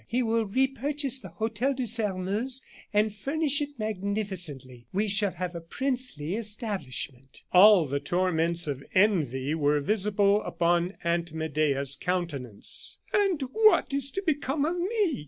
He will repurchase the Hotel de Sairmeuse, and furnish it magnificently. We shall have a princely establishment." All the torments of envy were visible upon Aunt Medea's countenance. "'And what is to become of me?"